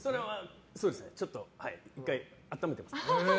そうですねちょっと１回温めてます。